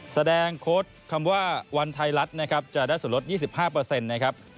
โค้ดคำว่าวันไทยรัฐนะครับจะได้ส่วนลด๒๕นะครับ